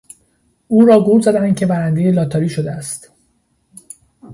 او را گول زدند که برندهی لاتاری شده است.